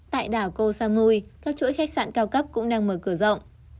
tại đảo koh samui các chuỗi khách sạn cao cấp cũng đang mở cửa rộng